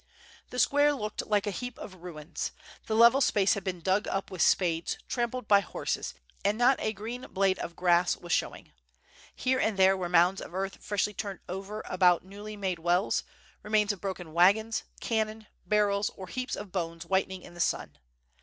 The square looked like a heap of ruins; the level space had been dug up with spades, trampled by horses, and not a green blade of grass was showing. Here and there were mounds of earth freshly turned over about newly made wells, remains of broken wag ons, cannon, barrels, or heaps of bones whitening in the sun.